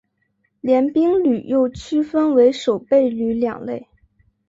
联兵旅又区分为守备旅两类。